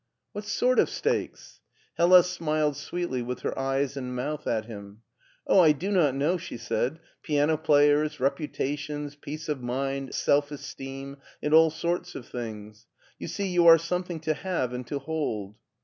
" What sort of stakes? '* Hella smiled sweetly with her eyes and mouth at him. " Oh, I do not know !" she said ;" piano players, reputations, peace of mind, self esteem, and all sorts of things. You iet you are something to have and to hold."